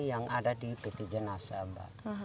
yang ada di peti jenazah mbak